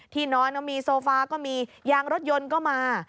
นอนก็มีโซฟาก็มียางรถยนต์ก็มา